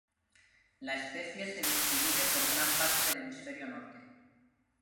La especie se distribuye por gran parte del hemisferio norte.